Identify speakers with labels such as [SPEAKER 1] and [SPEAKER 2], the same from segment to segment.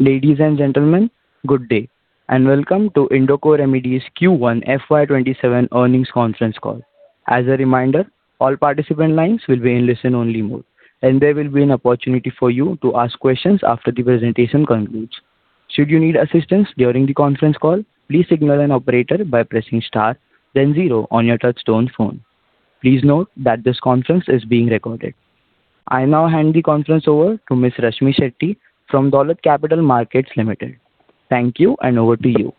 [SPEAKER 1] Ladies and gentlemen, good day, and welcome to Indoco Remedies Q1 FY 2027 Earnings Conference Call. As a reminder, all participant lines will be in listen-only mode, and there will be an opportunity for you to ask questions after the presentation concludes. Should you need assistance during the conference call, please signal an operator by pressing star then zero on your touch-tone phone. Please note that this conference is being recorded. I now hand the conference over to Ms. Rashmi Shetty from Dolat Capital Market Ltd. Thank you, and over to you.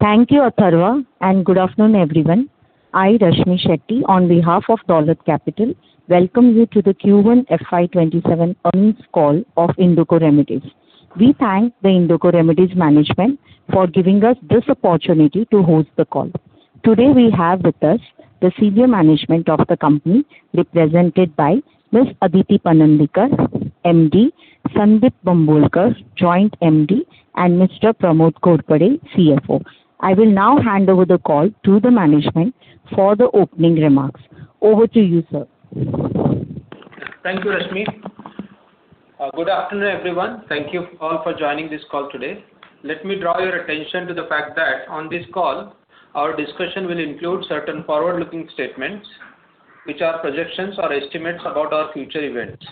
[SPEAKER 2] Thank you, Atharva, and good afternoon, everyone. I, Rashmi Shetty, on behalf of Dolat Capital, welcome you to the Q1 FY 2027 Earnings Call of Indoco Remedies. We thank the Indoco Remedies management for giving us this opportunity to host the call. Today, we have with us the senior management of the company represented by Ms. Aditi Panandikar, MD, Sundeep Bambolkar, Joint MD, and Mr. Pramod Ghorpade, CFO. I will now hand over the call to the management for the opening remarks. Over to you, sir.
[SPEAKER 3] Thank you, Rashmi. Good afternoon, everyone. Thank you all for joining this call today. Let me draw your attention to the fact that on this call, our discussion will include certain forward-looking statements, which are projections or estimates about our future events.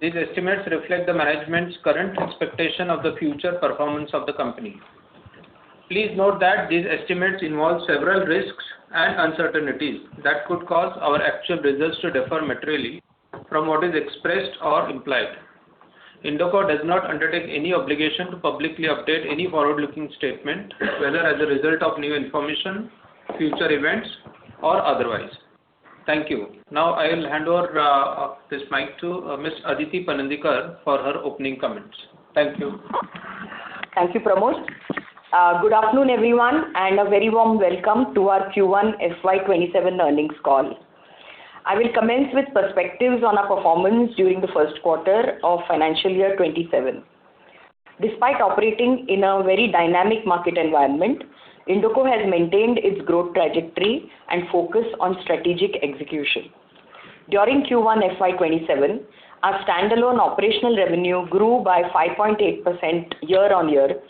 [SPEAKER 3] These estimates reflect the management's current expectation of the future performance of the company. Please note that these estimates involve several risks and uncertainties that could cause our actual results to differ materially from what is expressed or implied. Indoco does not undertake any obligation to publicly update any forward-looking statement, whether as a result of new information, future events, or otherwise. Thank you. Now, I'll hand over this mic to Ms. Aditi Panandikar for her opening comments. Thank you.
[SPEAKER 4] Thank you, Pramod. Good afternoon, everyone, and a very warm welcome to our Q1 FY 2027 Earnings Call. I will commence with perspectives on our performance during the first quarter of financial year 2027. Despite operating in a very dynamic market environment, Indoco has maintained its growth trajectory and focus on strategic execution. During Q1 FY 2027, our standalone operational revenue grew by 5.8% year-on-year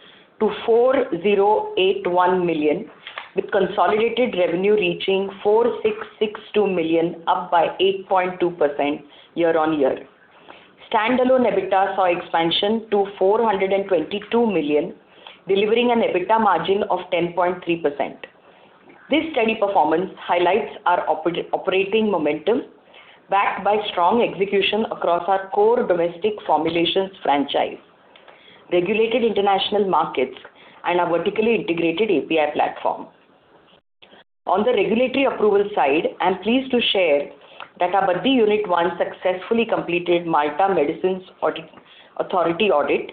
[SPEAKER 4] to 4,081 million, with consolidated revenue reaching 4,662 million, up by 8.2% year-on-year. Standalone EBITDA saw expansion to 422 million, delivering an EBITDA margin of 10.3%. This steady performance highlights our operating momentum backed by strong execution across our core domestic formulations franchise, regulated international markets, and our vertically integrated API platform. On the regulatory approval side, I'm pleased to share that our Baddi Unit I successfully completed Malta Medicines Authority audit,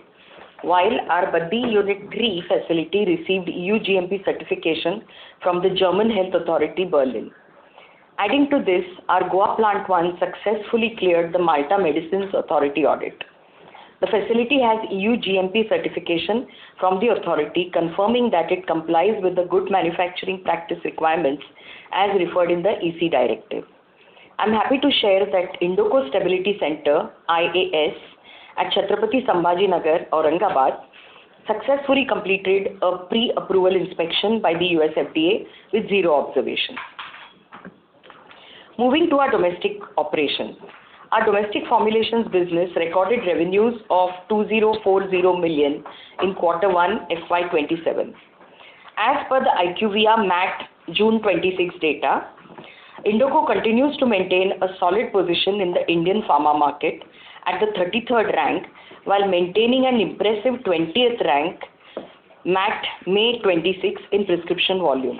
[SPEAKER 4] while our Baddi Unit III facility received E.U. GMP certification from the German Health Authority, Berlin. Adding to this, our Goa Plant I successfully cleared the Malta Medicines Authority audit. The facility has E.U. GMP certification from the authority, confirming that it complies with the good manufacturing practice requirements as referred in the EC directive. I'm happy to share that Indoco Stability Center, IAS at Chhatrapati Sambhajinagar, Aurangabad, successfully completed a pre-approval inspection by the U.S. FDA with zero observations. Moving to our domestic operations. Our domestic formulations business recorded revenues of 2,040 million in quarter one, FY 2027. As per the IQVIA MAT June 2026 data, Indoco continues to maintain a solid position in the Indian pharma market at the 33rd rank, while maintaining an impressive 20th rank MAT May 2026 in prescription volume.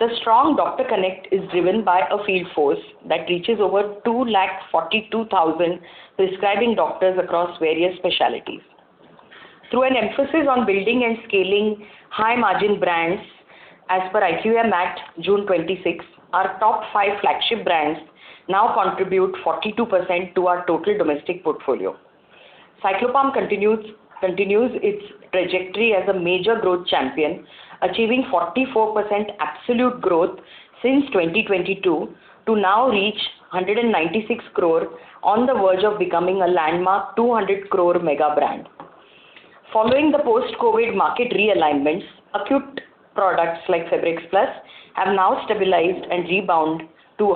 [SPEAKER 4] The strong doctor connect is driven by a field force that reaches over 242,000 prescribing doctors across various specialties. Through an emphasis on building and scaling high-margin brands as per IQVIA MAT, June 2026, our top five flagship brands now contribute 42% to our total domestic portfolio. Cyclopam continues its trajectory as a major growth champion, achieving 44% absolute growth since 2022 to now reach 196 crore on the verge of becoming a landmark 200 crore mega brand. Following the post-COVID market realignments, acute products like Febrex Plus have now stabilized and rebound to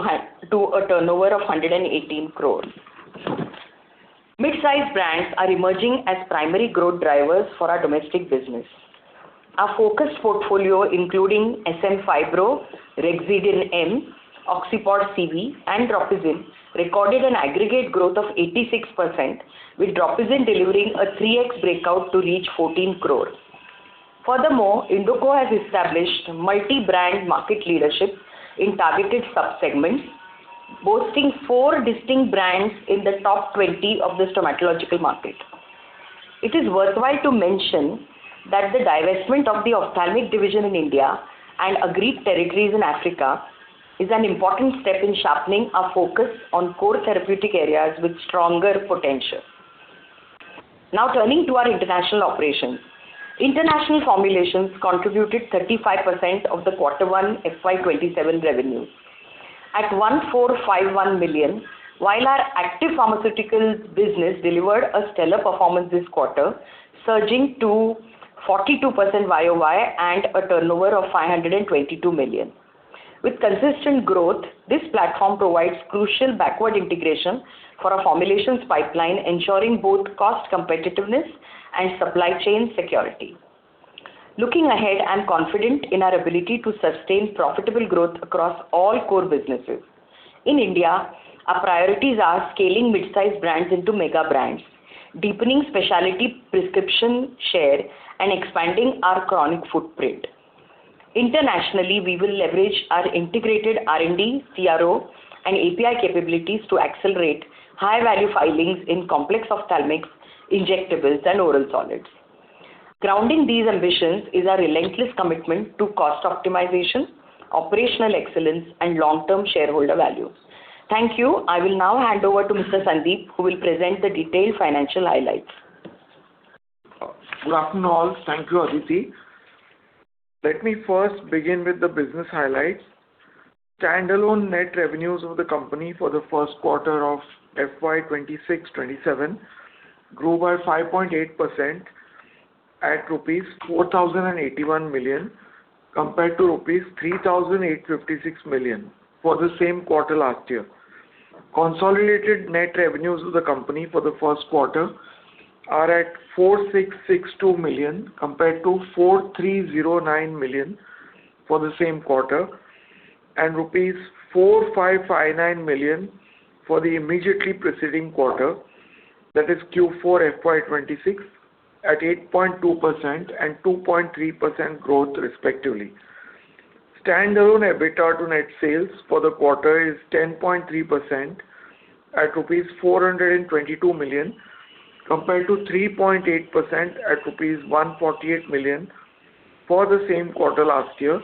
[SPEAKER 4] a turnover of 118 crores. Mid-size brands are emerging as primary growth drivers for our domestic business. Our focused portfolio, including SM Fibro, Rexidin-M, Oxipod CV, and Dropizin, recorded an aggregate growth of 86%, with Dropizin delivering a 3x breakout to reach 14 crores. Furthermore, Indoco has established multi-brand market leadership in targeted sub-segments, boasting four distinct brands in the top 20 of the stomatological market. It is worthwhile to mention that the divestment of the ophthalmic division in India and agreed territories in Africa is an important step in sharpening our focus on core therapeutic areas with stronger potential. Now turning to our international operations. International formulations contributed 35% of the quarter one FY 2027 revenue. At 1,451 million, while our active pharmaceutical business delivered a stellar performance this quarter, surging to 42% YoY and a turnover of 522 million. With consistent growth, this platform provides crucial backward integration for our formulations pipeline, ensuring both cost competitiveness and supply chain security. Looking ahead, I'm confident in our ability to sustain profitable growth across all core businesses. In India, our priorities are scaling mid-size brands into mega brands, deepening specialty prescription share, and expanding our chronic footprint. Internationally, we will leverage our integrated R&D, CRO, and API capabilities to accelerate high-value filings in complex ophthalmics, injectables, and oral solids. Grounding these ambitions is our relentless commitment to cost optimization, operational excellence, and long-term shareholder value. Thank you. I will now hand over to Mr. Sundeep, who will present the detailed financial highlights.
[SPEAKER 5] Good afternoon, all. Thank you, Aditi. Let me first begin with the business highlights. Standalone net revenues of the company for the first quarter of FY 2026-2027 grew by 5.8% at rupees 4,081 million, compared to rupees 3,856 million for the same quarter last year. Consolidated net revenues of the company for the first quarter are at 4,662 million, compared to 4,309 million for the same quarter, and rupees 4,559 million for the immediately preceding quarter, that is Q4 FY 2026, at 8.2% and 2.3% growth respectively. Standalone EBITDA to net sales for the quarter is 10.3% at rupees 422 million, compared to 3.8% at rupees 148 million for the same quarter last year,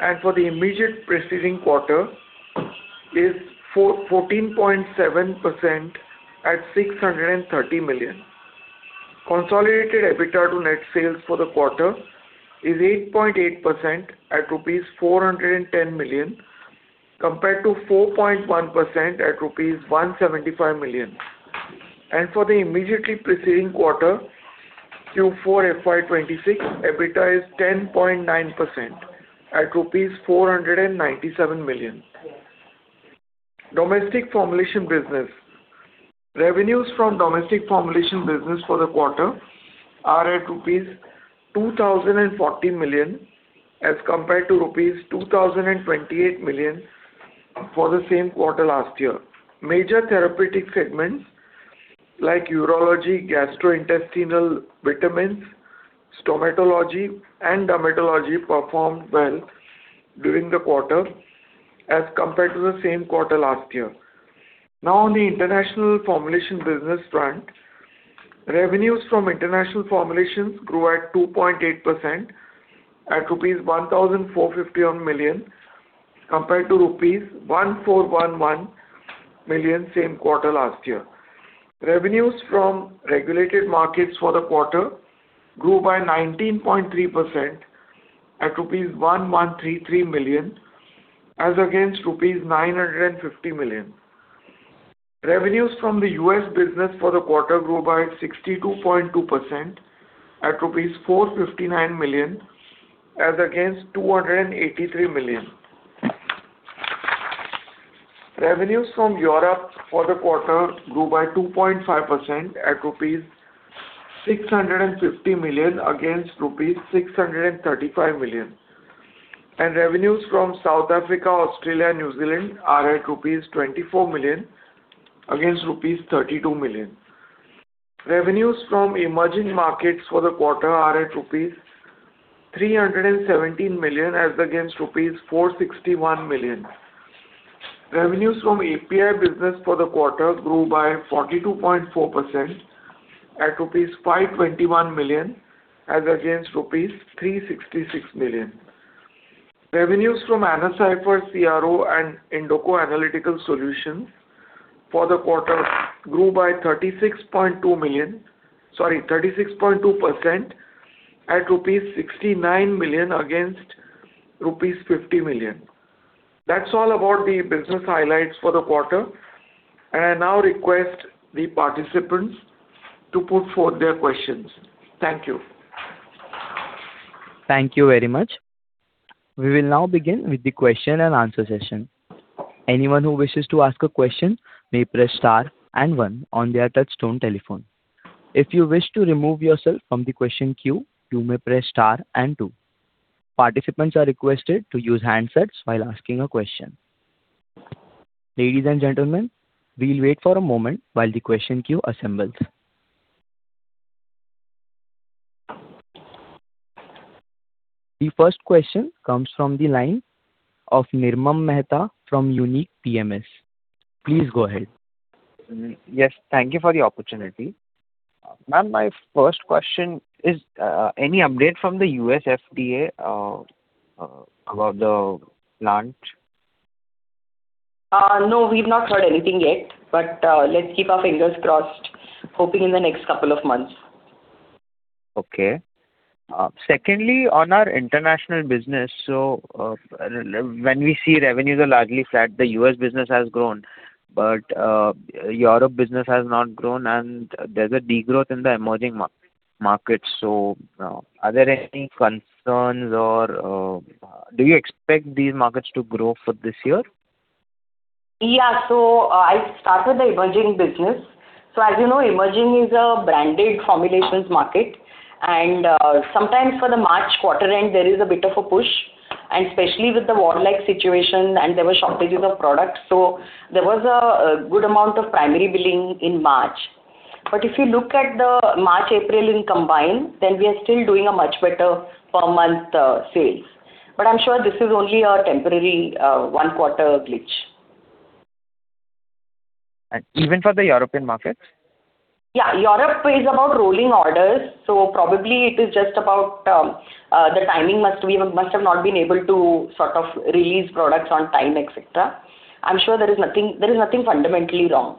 [SPEAKER 5] and for the immediate preceding quarter is 14.7% at 630 million. Consolidated EBITDA to net sales for the quarter is 8.8% at rupees 410 million, compared to 4.1% at rupees 175 million. For the immediately preceding quarter, Q4 FY 2026, EBITDA is 10.9% at rupees 497 million. Domestic formulation business. Revenues from domestic formulation business for the quarter are at rupees 2,014 million as compared to rupees 2,028 million for the same quarter last year. Major therapeutic segments like urology, gastrointestinal, vitamins, stomatology, and dermatology performed well during the quarter as compared to the same quarter last year. Now on the international formulation business front. Revenues from international formulations grew at 2.8% at rupees 1,451 million, compared to rupees 1,411 million same quarter last year. Revenues from regulated markets for the quarter grew by 19.3% at rupees 1,133 million, as against rupees 950 million. Revenues from the U.S. business for the quarter grew by 62.2% at rupees 459 million, as against 283 million. Revenues from Europe for the quarter grew by 2.5% at rupees 650 million against rupees 635 million. Revenues from South Africa, Australia, and New Zealand are at rupees 24 million against rupees 32 million. Revenues from emerging markets for the quarter are at rupees 317 million as against rupees 461 million. Revenues from API business for the quarter grew by 42.4% at rupees 521 million as against rupees 366 million. Revenues from AnaCipher CRO and Indoco Analytical Solutions for the quarter grew by 36.2% at rupees 69 million against rupees 50 million. That's all about the business highlights for the quarter. I now request the participants to put forth their questions. Thank you.
[SPEAKER 1] Thank you very much. We will now begin with the question and answer session. Anyone who wishes to ask a question may press star and one on their touchtone telephone. If you wish to remove yourself from the question queue, you may press star and two. Participants are requested to use handsets while asking a question. Ladies and gentlemen, we'll wait for a moment while the question queue assembles. The first question comes from the line of Nirmam Mehta from Unique PMS. Please go ahead.
[SPEAKER 6] Yes. Thank you for the opportunity. Ma'am, my first question is, any update from the U.S. FDA about the launch?
[SPEAKER 4] No, we've not heard anything yet, but let's keep our fingers crossed. Hoping in the next couple of months.
[SPEAKER 6] Okay. Secondly, on our international business. When we see revenues are largely flat, the U.S. business has grown, but Europe business has not grown, and there's a degrowth in the emerging markets. Are there any concerns or do you expect these markets to grow for this year?
[SPEAKER 4] Yeah. I'll start with the emerging business. As you know, emerging is a branded formulations market. Sometimes for the March quarter end, there is a bit of a push, and especially with the war-like situation, and there were shortages of products. There was a good amount of primary billing in March. If you look at the March, April in combined, then we are still doing a much better per month sales. I'm sure this is only a temporary one-quarter glitch.
[SPEAKER 6] Even for the European markets?
[SPEAKER 4] Yeah. Europe is about rolling orders. Probably it is just about the timing. We must have not been able to sort of release products on time, et cetera. I'm sure there is nothing fundamentally wrong.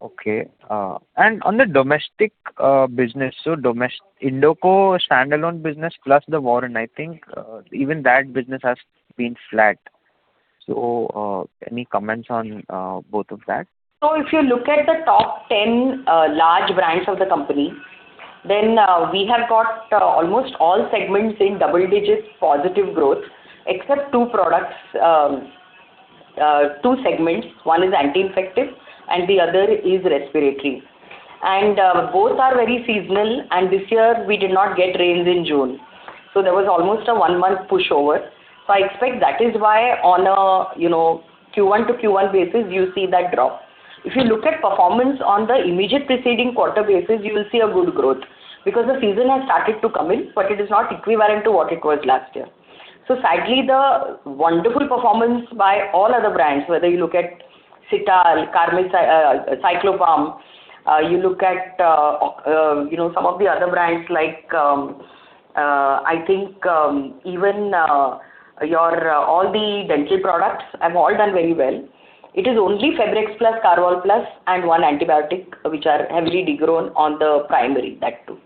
[SPEAKER 6] Okay. On the domestic business, Indoco standalone business plus the Warren, I think, even that business has been flat. Any comments on both of that?
[SPEAKER 4] If you look at the top 10 large brands of the company, then we have got almost all segments in double-digits positive growth, except two segments. One is anti-infective and the other is respiratory. Both are very seasonal, and this year we did not get rains in June. There was almost a one-month push-over. I expect that is why on a Q1-Q1 basis, you see that drop. If you look at performance on the immediate preceding quarter basis, you will see a good growth because the season has started to come in, but it is not equivalent to what it was last year. Sadly, the wonderful performance by all other brands, whether you look at Cital, Cyclopam, you look at some of the other brands like, I think, even all the dental products have all done very well. It is only Febrex Plus, Karvol Plus and one antibiotic which are heavily degrown on the primary, that too.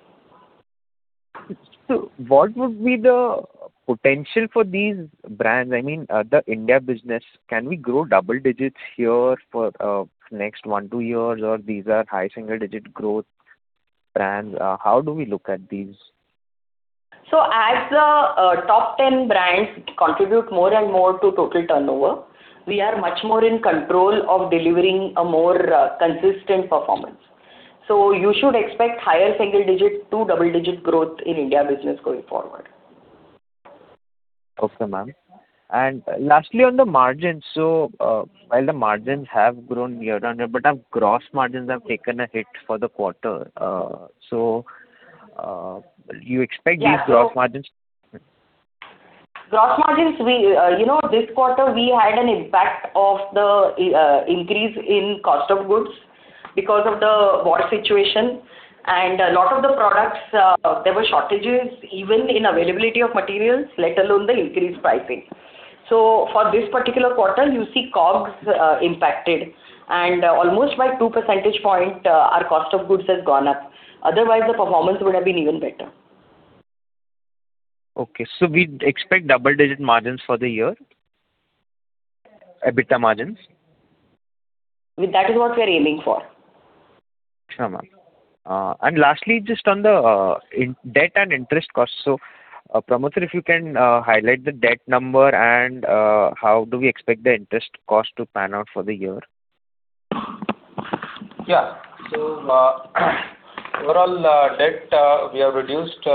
[SPEAKER 6] What would be the potential for these brands? I mean, the India business, can we grow double digits here for next one, two years, or these are high-single-digit growth brands? How do we look at these?
[SPEAKER 4] As the top 10 brands contribute more and more to total turnover, we are much more in control of delivering a more consistent performance. You should expect higher single-digit to double-digit growth in India business going forward.
[SPEAKER 6] Okay, ma'am. Lastly, on the margins. While the margins have grown year-on-year, but our gross margins have taken a hit for the quarter. You expect these gross margins?
[SPEAKER 4] Gross margins, this quarter, we had an impact of the increase in cost of goods because of the war situation. A lot of the products, there were shortages, even in availability of materials, let alone the increased pricing. For this particular quarter, you see COGS impacted and almost by 2 percentage points our cost of goods has gone up. Otherwise, the performance would have been even better.
[SPEAKER 6] Okay. We expect double-digit margins for the year? EBITDA margins.
[SPEAKER 4] That is what we are aiming for.
[SPEAKER 6] Sure, ma'am. Lastly, just on the debt and interest costs. Pramod, if you can highlight the debt number and how do we expect the interest cost to pan out for the year?
[SPEAKER 3] Overall debt, we have reduced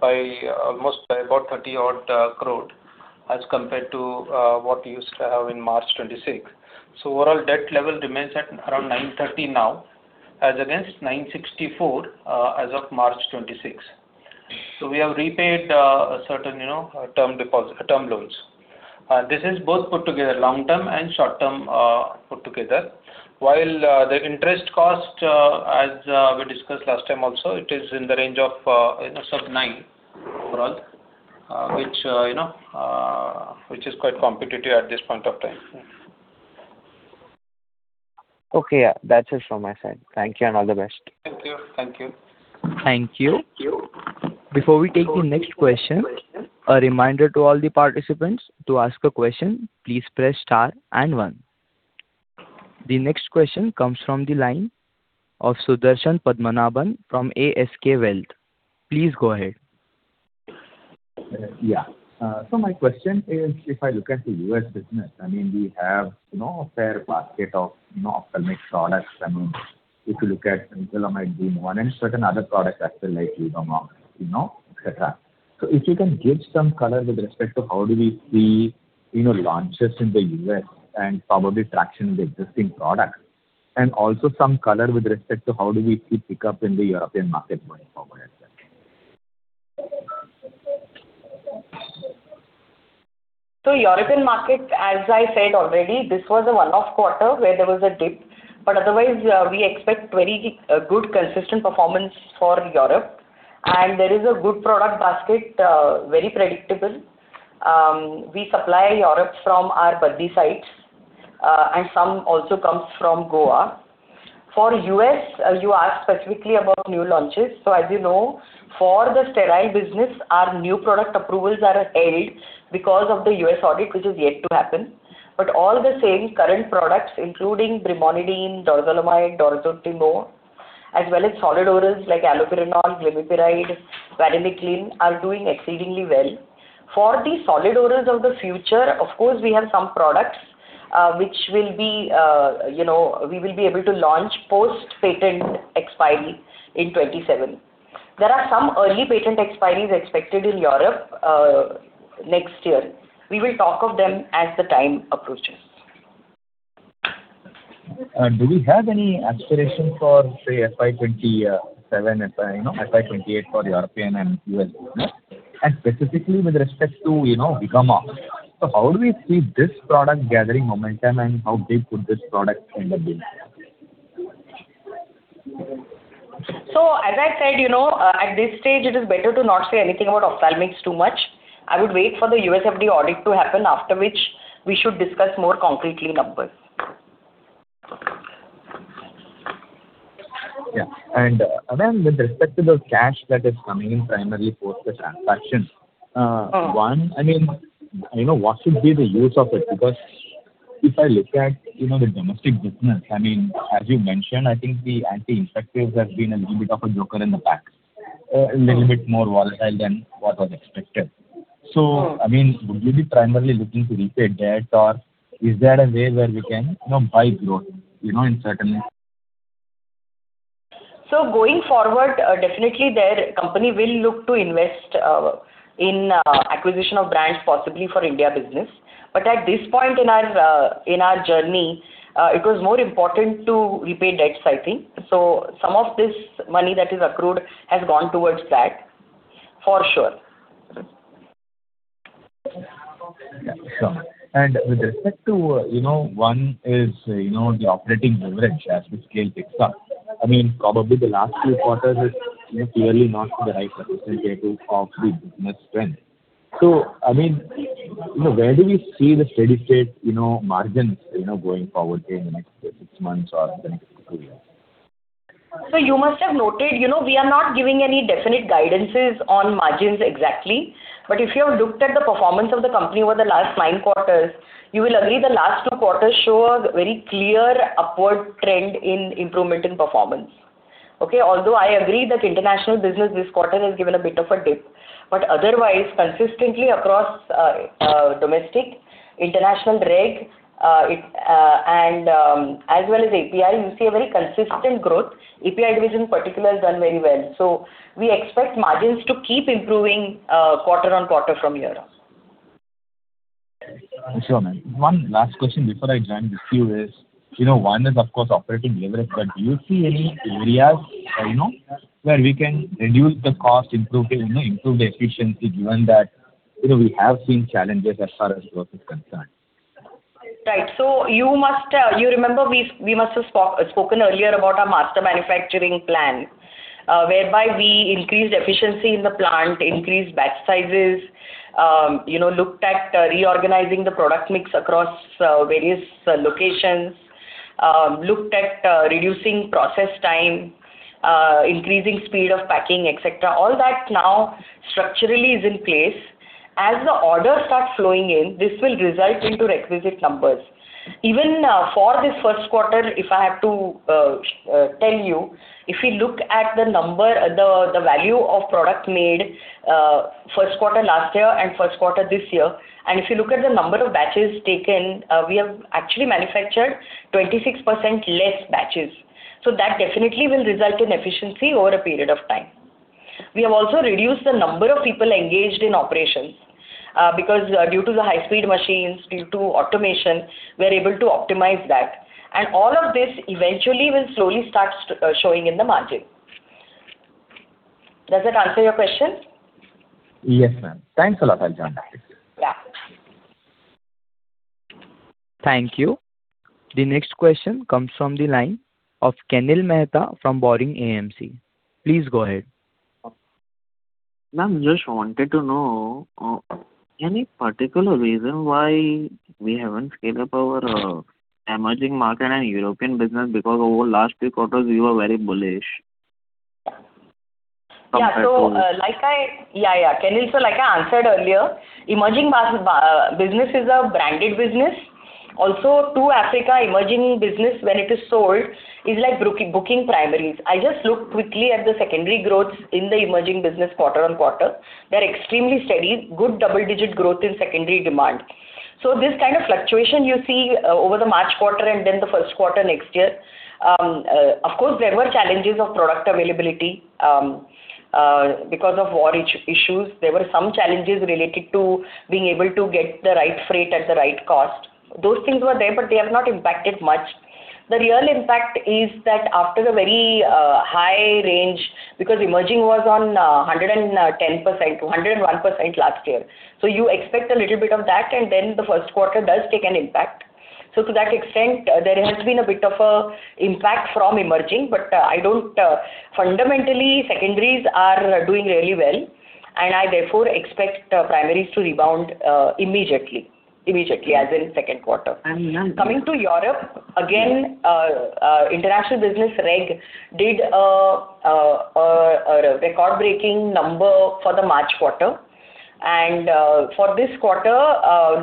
[SPEAKER 3] by almost about 30-odd crore as compared to what we used to have in March 2026. Overall debt level remains at around 930 now as against 964 as of March 2026. We have repaid a certain term loans. This is both put together, long term and short term, put together. The interest cost, as we discussed last time also, it is in the range of 9% overall, which is quite competitive at this point of time.
[SPEAKER 6] That's it from my side. Thank you and all the best.
[SPEAKER 3] Thank you.
[SPEAKER 1] Thank you. Before we take the next question, a reminder to all the participants, to ask a question, please press star and one. The next question comes from the line of Sudarshan Padmanabhan from ASK Wealth. Please go ahead.
[SPEAKER 7] My question is, if I look at the U.S. business, we have a fair basket of ophthalmic products. If you look at it might be one and certain other products as well, like glaucoma, etc. If you can give some color with respect to how do we see launches in the U.S. and probably traction in the existing products, and also some color with respect to how do we see pickup in the European market going forward et cetera?
[SPEAKER 4] European market, as I said already, this was a one-off quarter where there was a dip. Otherwise, we expect very good consistent performance for Europe. There is a good product basket, very predictable. We supply Europe from our Baddi site and some also comes from Goa. For U.S., you asked specifically about new launches. As you know, for the sterile business, our new product approvals are at aid because of the U.S. audit, which is yet to happen. All the same current products, including brimonidine, dorzolamide, as well as solid orals like allopurinol, glimepiride, varenicline are doing exceedingly well. For the solid orals of the future, of course, we have some products which we will be able to launch post-patent expiry in 2027. There are some early patent expiries expected in Europe next year. We will talk of them as the time approaches.
[SPEAKER 7] Do we have any aspiration for, say, FY 2027, FY 2028 for European and U.S. business? Specifically with respect to VIGAMOX. How do we see this product gathering momentum, and how big could this product end up being?
[SPEAKER 4] As I said, at this stage it is better to not say anything about ophthalmics too much. I would wait for the U.S. FDA audit to happen, after which we should discuss more concretely numbers.
[SPEAKER 7] Ma'am, with respect to the cash that is coming in primarily post the transaction. One, what should be the use of it? If I look at the domestic business, as you mentioned, I think the anti-infectives have been a little bit of a joker in the pack. A little bit more volatile than what was expected. Would you be primarily looking to repay debt or is there a way where we can buy growth in certain?
[SPEAKER 4] Going forward, definitely the company will look to invest in acquisition of brands possibly for India business. At this point in our journey, it was more important to repay debts, I think. Some of this money that is accrued has gone towards that, for sure.
[SPEAKER 7] Yeah. Sure. With respect to, one is the operating leverage as the scale picks up. Probably the last few quarters is clearly not the right representative of the business trend. Where do we see the steady state margins going forward, say, in the next six months or the next two years?
[SPEAKER 4] You must have noted, we are not giving any definite guidances on margins exactly. If you have looked at the performance of the company over the last nine quarters, you will agree the last two quarters show a very clear upward trend in improvement in performance. Okay? Although I agree that international business this quarter has given a bit of a dip, but otherwise, consistently across domestic, international reg, and as well as API, you see a very consistent growth. API division in particular has done very well. We expect margins to keep improving quarter on quarter from here on.
[SPEAKER 7] Sure, ma'am. One last question before I join the queue is, one is of course operating leverage. Do you see any areas where we can reduce the cost, improve the efficiency, given that we have seen challenges as far as growth is concerned?
[SPEAKER 4] Right. You remember we must have spoken earlier about our master manufacturing plan, whereby we increased efficiency in the plant, increased batch sizes, looked at reorganizing the product mix across various locations, looked at reducing process time, increasing speed of packing, etc. All that now structurally is in place. As the orders start flowing in, this will result into requisite numbers. Even for this first quarter, if I have to tell you, if we look at the value of product made first quarter last year and first quarter this year, and if you look at the number of batches taken, we have actually manufactured 26% less batches. That definitely will result in efficiency over a period of time. We have also reduced the number of people engaged in operations. Due to the high-speed machines, due to automation, we're able to optimize that. All of this eventually will slowly start showing in the margin. Does that answer your question?
[SPEAKER 7] Yes, ma'am. Thanks a lot. I'll join the next queue.
[SPEAKER 4] Yeah.
[SPEAKER 1] Thank you. The next question comes from the line of Kenil Mehta from Boring AMC. Please go ahead.
[SPEAKER 8] Ma'am, just wanted to know, any particular reason why we haven't scaled up our emerging market and European business? Over last few quarters, we were very bullish.
[SPEAKER 4] Yeah. Kenil, like I answered earlier, emerging business is a branded business. Also, to Africa, emerging business, when it is sold, is like booking primaries. I just looked quickly at the secondary growth in the emerging business quarter-on-quarter. They're extremely steady. Good double-digit growth in secondary demand. This kind of fluctuation you see over the March quarter and then the first quarter next year. Of course, there were challenges of product availability because of war issues. There were some challenges related to being able to get the right freight at the right cost. Those things were there, they have not impacted much. The real impact is that after a very high range, emerging was on 110%, 101% last year. You expect a little bit of that, and then the first quarter does take an impact. To that extent, there has been a bit of a impact from emerging, fundamentally, secondaries are doing really well. I therefore expect primaries to rebound immediately as in the second quarter. Coming to Europe, again international business reg did a record-breaking number for the March quarter. For this quarter,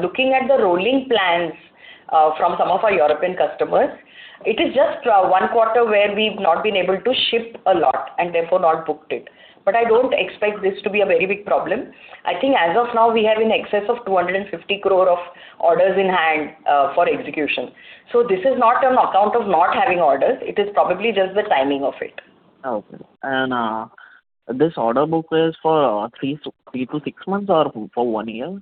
[SPEAKER 4] looking at the rolling plans from some of our European customers, it is just one quarter where we've not been able to ship a lot and therefore not booked it. I don't expect this to be a very big problem. I think as of now, we have in excess of 250 crore of orders in hand for execution. This is not on account of not having orders. It is probably just the timing of it.
[SPEAKER 8] Okay. This order book is for three to six months or for one year?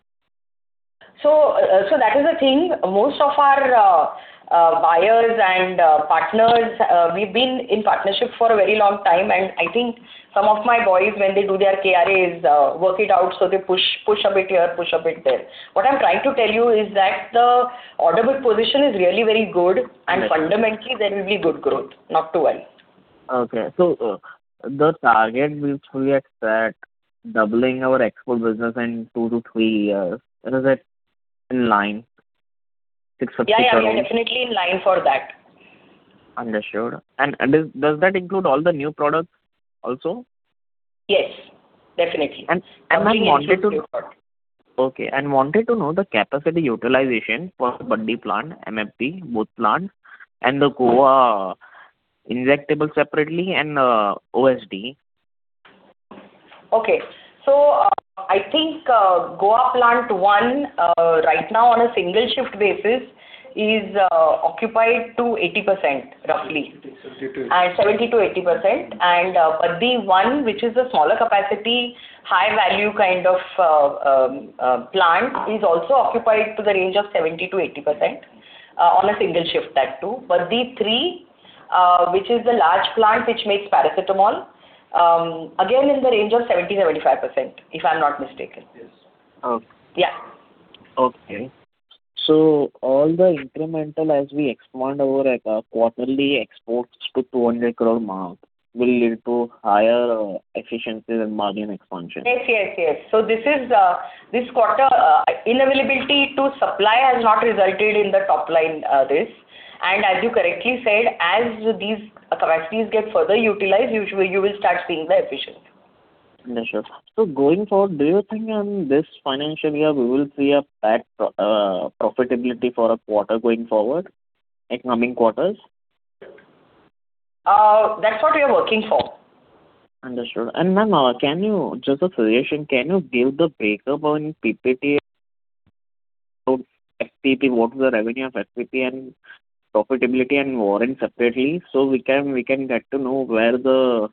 [SPEAKER 4] That is the thing. Most of our buyers and partners, we've been in partnership for a very long time. I think some of my boys, when they do their KRAs, work it out, they push a bit here, push a bit there. What I'm trying to tell you is that the order book position is really very good. Fundamentally there will be good growth. Not to worry.
[SPEAKER 8] Okay. The target we fully expect doubling our export business in two to three years. Is it in line? Six or seven-
[SPEAKER 4] Yeah, we are definitely in line for that.
[SPEAKER 8] Understood. Does that include all the new products also?
[SPEAKER 4] Yes, definitely.
[SPEAKER 8] I wanted to.
[SPEAKER 4] Everything is included.
[SPEAKER 8] Okay. Wanted to know the capacity utilization for the Baddi plant, MFP, both plants, and the Goa injectable separately and OSD.
[SPEAKER 4] Okay. I think Goa Plant I, right now on a single shift basis is occupied to 80%, roughly.
[SPEAKER 5] 70%-80%.
[SPEAKER 4] 70%-80%. Baddi I, which is a smaller capacity, high-value kind of plant, is also occupied to the range of 70%-80%, on a single shift that too. Baddi III, which is the large plant which makes paracetamol, again in the range of 70%-75%, if I'm not mistaken. Yeah.
[SPEAKER 8] Okay. All the incremental as we expand our quarterly exports to 200 crore mark will lead to higher efficiency than margin expansion?
[SPEAKER 4] Yes. This quarter unavailability to supply has not resulted in the top line. As you correctly said, as these capacities get further utilized, you will start seeing the efficiency.
[SPEAKER 8] Understood. Going forward, do you think in this financial year we will see a bad profitability for a quarter going forward, like coming quarters?
[SPEAKER 4] That's what we are working for.
[SPEAKER 8] Understood. Ma'am, just a suggestion, can you give the breakup on PPT, FPP, what was the revenue of FPP and profitability and Warren separately so we can get to know where the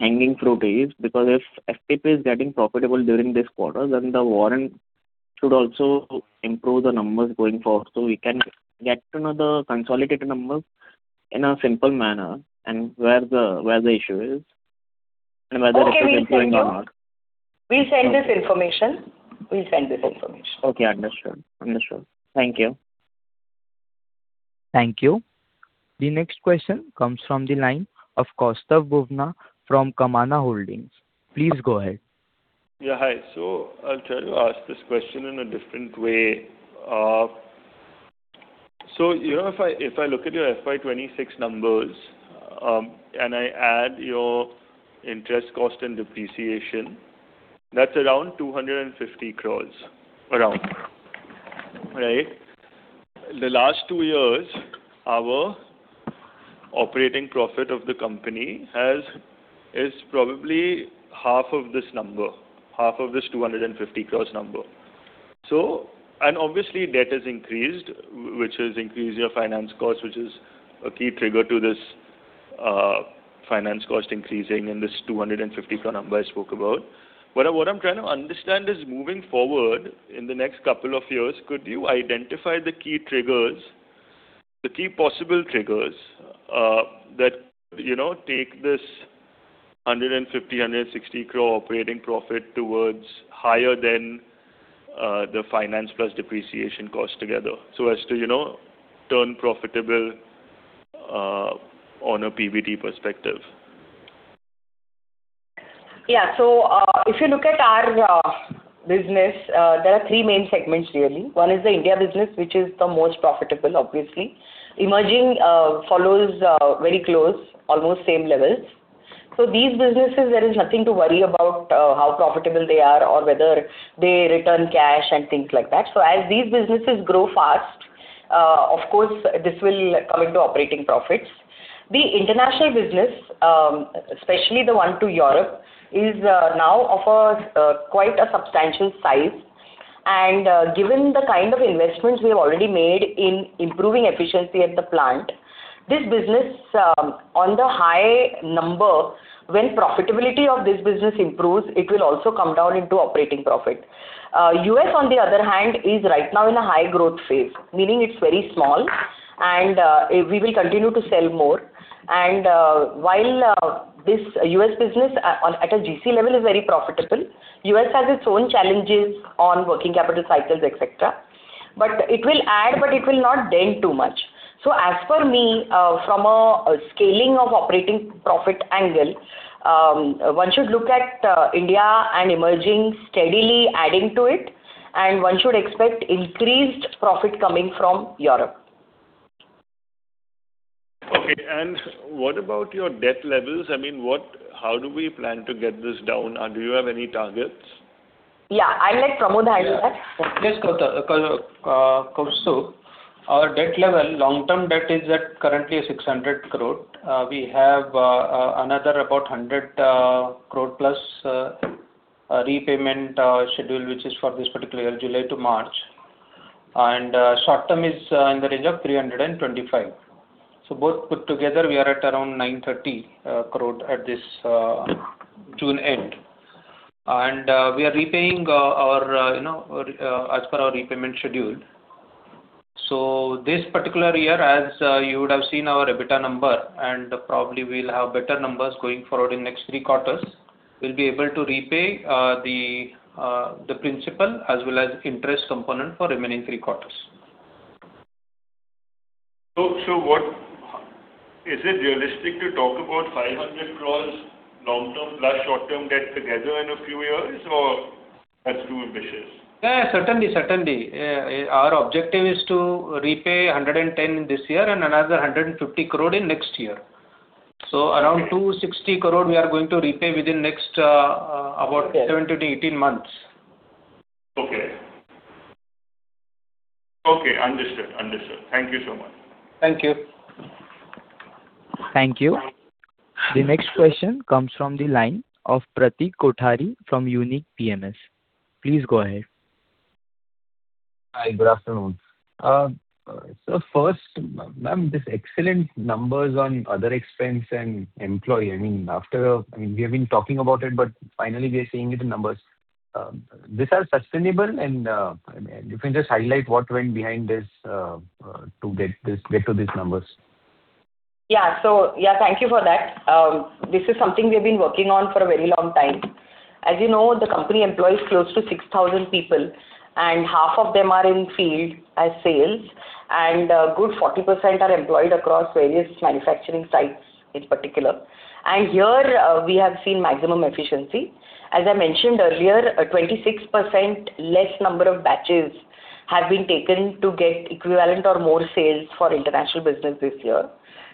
[SPEAKER 8] hanging fruit is. Because if FPP is getting profitable during this quarter, then the Warren should also improve the numbers going forward, so we can get to know the consolidated numbers in a simple manner and where the issue is. It is going or not?
[SPEAKER 4] We'll send this information.
[SPEAKER 8] Okay, understood. Thank you.
[SPEAKER 1] Thank you. The next question comes from the line of [Kaustubh Ghugna] from Kamana Holdings. Please go ahead.
[SPEAKER 9] Yeah, hi. I'll try to ask this question in a different way. If I look at your FY 2026 numbers, and I add your interest cost and depreciation, that is around INR 250 crore. Around. Right? The last two years, our operating profit of the company is probably half of this number, half of this 250 crore number. Obviously, debt has increased, which has increased your finance cost, which is a key trigger to this finance cost increasing and this 250 crore number I spoke about. What I am trying to understand is, moving forward in the next couple of years, could you identify the key possible triggers that could take this 150 crore-160 crore operating profit towards higher than the finance plus depreciation cost together so as to turn profitable on a PBT perspective?
[SPEAKER 4] Yeah. If you look at our business, there are three main segments really. One is the India business, which is the most profitable, obviously. Emerging follows very close, almost same levels. These businesses, there is nothing to worry about how profitable they are or whether they return cash and things like that. As these businesses grow fast, of course, this will come into operating profits. The international business, especially the one to Europe, is now of quite a substantial size. Given the kind of investments we have already made in improving efficiency at the plant, this business, on the high number, when profitability of this business improves, it will also come down into operating profit. U.S., on the other hand, is right now in a high growth phase. Meaning it is very small and we will continue to sell more. While this U.S. business at a GC level is very profitable, U.S. has its own challenges on working capital cycles, etc. It will add, but it will not dent too much. As for me, from a scaling of operating profit angle, one should look at India and emerging steadily adding to it, and one should expect increased profit coming from Europe.
[SPEAKER 9] Okay. What about your debt levels? How do we plan to get this down? Do you have any targets?
[SPEAKER 4] Yeah. I'll let Pramod handle that.
[SPEAKER 3] Yes, [Kaustubh]. Our debt level, long-term debt is at currently 600 crore. We have another about 100 crore+ repayment schedule, which is for this particular year, July to March, and short-term is in the range of 325 crore. Both put together, we are at around 930 crore at this June end. We are repaying as per our repayment schedule. This particular year, as you would have seen our EBITDA number, and probably we'll have better numbers going forward in next three quarters. We'll be able to repay the principal as well as interest component for remaining three quarters.
[SPEAKER 9] Is it realistic to talk about 500 crores long-term plus short-term debt together in a few years, or that's too ambitious?
[SPEAKER 3] Yeah. Certainly. Our objective is to repay 110 crore this year and another 150 crore in next year. Around 260 crore we are going to repay within next about 17 months-18 months.
[SPEAKER 9] Okay. Understood. Thank you so much.
[SPEAKER 3] Thank you.
[SPEAKER 1] Thank you. The next question comes from the line of Pratik Kothari from Unique PMS. Please go ahead.
[SPEAKER 10] Hi, good afternoon. First, ma'am, these excellent numbers on other expense and employee. We have been talking about it, but finally, we are seeing it in numbers. These are sustainable and you can just highlight what went behind this to get to these numbers?
[SPEAKER 4] Yeah. Thank you for that. This is something we've been working on for a very long time. As you know, the company employs close to 6,000 people, and half of them are in field as sales, and a good 40% are employed across various manufacturing sites in particular. Here we have seen maximum efficiency. As I mentioned earlier, 26% less number of batches have been taken to get equivalent or more sales for international business this year.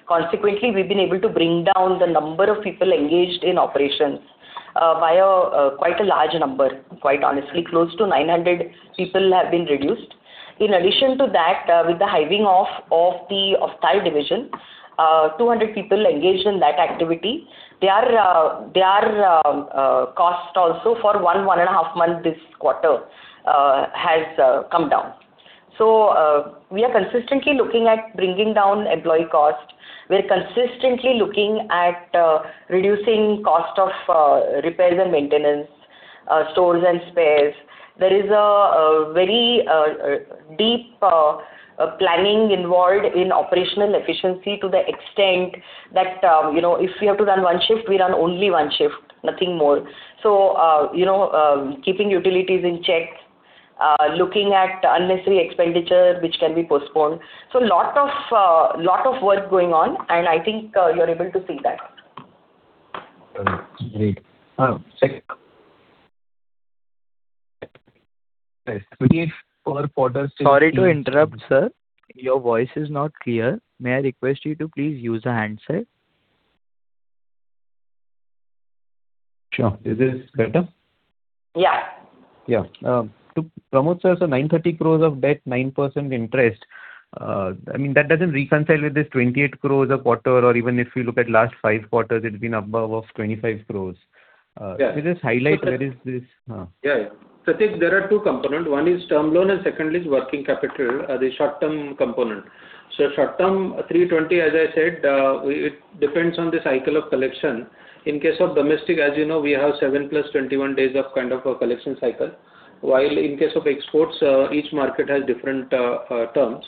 [SPEAKER 4] Consequently, we've been able to bring down the number of people engaged in operations via quite a large number, quite honestly. Close to 900 people have been reduced. In addition to that, with the hiving off of Ophthalmic Business Division, 200 people engaged in that activity, their cost also for one and a half month this quarter has come down. We are consistently looking at bringing down employee cost. We are consistently looking at reducing cost of repairs and maintenance, stores and spares. There is a very deep planning involved in operational efficiency to the extent that if we have to run one shift, we run only one shift, nothing more. Keeping utilities in check, looking at unnecessary expenditure which can be postponed. Lot of work going on, and I think you're able to see that.
[SPEAKER 10] Great.
[SPEAKER 1] Sorry to interrupt, sir. Your voice is not clear. May I request you to please use a handset?
[SPEAKER 10] Sure. Is this better?
[SPEAKER 4] Yeah.
[SPEAKER 10] Yeah. To Pramod sir, 930 crore of debt, 9% interest, that doesn't reconcile with this 28 crore a quarter or even if you look at last five quarters, it's been above of 25 crore. Can you just highlight where is this?
[SPEAKER 3] Yeah. Pratik, there are two components. One is term loan and second is working capital, the short-term component. Short-term, 320 crore, as I said, it depends on the cycle of collection. In case of domestic, as you know, we have 7+21 days of kind of a collection cycle, while in case of exports, each market has different terms.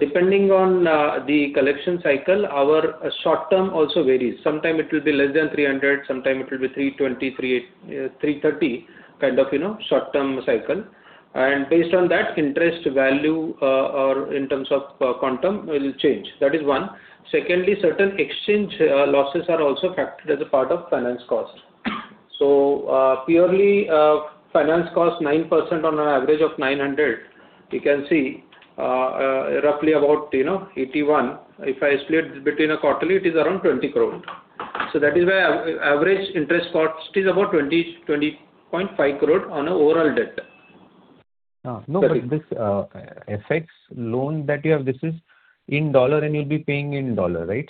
[SPEAKER 3] Depending on the collection cycle, our short-term also varies. Sometime it will be less than 300 crore, sometime it will be 320 crore, 330 crore kind of short-term cycle. Based on that, interest value or in terms of quantum will change. That is one. Secondly, certain exchange losses are also factored as a part of finance cost. Purely finance cost 9% on an average of 900 crore, you can see roughly about 81 crore. If I split between a quarterly, it is around 20 crore. That is why average interest cost is about 20.5 crore on an overall debt.
[SPEAKER 10] No, this FX loan that you have. This is in dollar and you'll be paying in dollar, right?